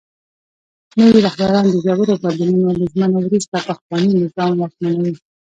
نوي رهبران د ژورو بدلونونو له ژمنو وروسته پخواني نظام واکمنوي.